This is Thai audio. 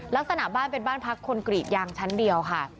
ลักษณะบ้านเป็นบ้านพักคนกรีดยางชั้นเดียวค่ะ